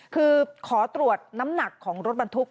คือขอตรวจน้ำหนักของรถบรรทุก